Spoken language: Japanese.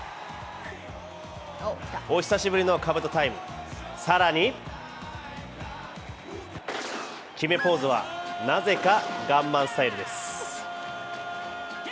お久しぶりのかぶとタイム、更に決めポーズはなぜかガンマンスタイルです。